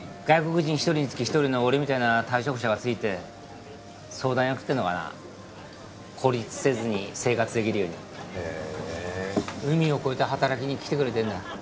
外国人１人につき１人の俺みたいな退職者がついて相談役ってのかな孤立せずに生活できるようにへえ海を越えて働きにきてくれてるんだ